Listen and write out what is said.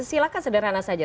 silahkan sederhana saja